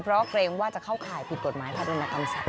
เพราะเกรงว่าจะเข้าข่ายผิดกฎหมายทารุณกรรมสัตว